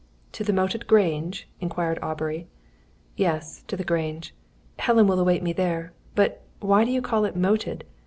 "To the moated Grange?" inquired Aubrey. "Yes, to the Grange. Helen will await me there. But why do you call it 'moated'?